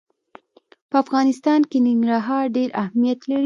په افغانستان کې ننګرهار ډېر اهمیت لري.